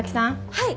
はい。